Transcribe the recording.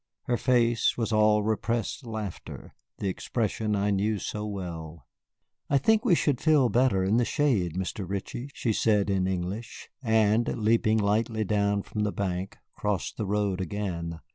Her face was all repressed laughter, the expression I knew so well. "I think we should feel better in the shade, Mr. Ritchie," she said in English, and, leaping lightly down from the bank, crossed the road again.